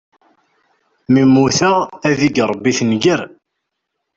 Mi mmuteɣ, ad ig Ṛebbi tenger!